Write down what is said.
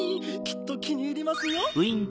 きっときにいりますよ！